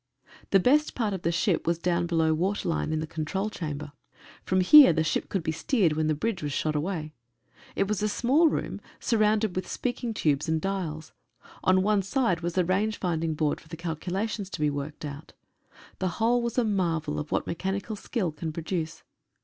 The best part of the ship was down below waterline in the control chamber. From here the ship could be steered when the bridge was shot away. It was a small room, surrounded with speaking tubes and dials. On one side was the range finding board for the calculations to be worked out. The whole was a marvel of what mechanical skill can produce.